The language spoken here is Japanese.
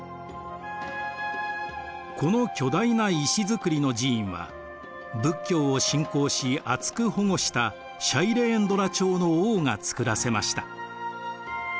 この巨大な石造りの寺院は仏教を信仰し厚く保護したシャイレーンドラ朝の王が造らせました。